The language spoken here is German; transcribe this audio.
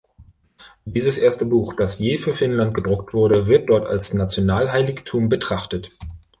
Dieses erste Buch, das je für Finnland gedruckt wurde, wird dort als Nationalheiligtum betrachtet.